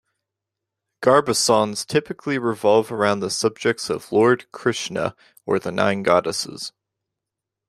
Garba songs typically revolve around the subjects of Lord Krishna or the nine goddesses.